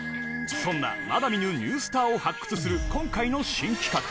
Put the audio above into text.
そんなまだ見ぬニュースターを発掘する今回の新企画。